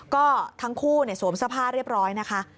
ก็ทั้งคู่เนี่ยสวมสภาพเรียบร้อยนะคะ